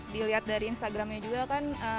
dilihat dari instagramnya juga kan